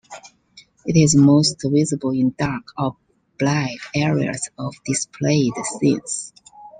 It is most visible in dark or black areas of displayed scenes.